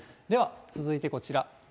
では続いてこちら。